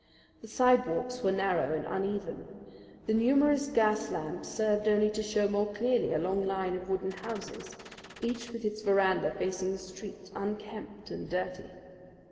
The sidewalks were narrow and uneven. The numerous gas lamps served only to show more clearly a long line of wooden houses, each with its veranda facing the street, unkempt and dirty.